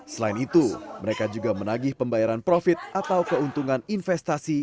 selain itu mereka juga menagih pembayaran profit atau keuntungan investasi